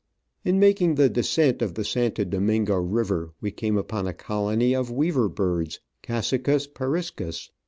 In making the descent of the Santo Domingo river we came upon a colony of Weaver Birds (Cassicus periscns).